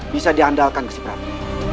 bisa diandalkan ke si prabu